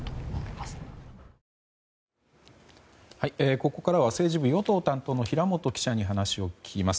ここからは政治部与党担当の平元記者に話を聞きます。